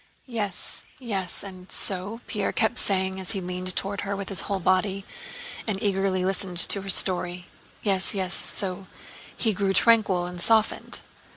"Yes, yes, and so...?" Pierre kept saying as he leaned toward her with his whole body and eagerly listened to her story. "Yes, yes... so he grew tranquil and softened?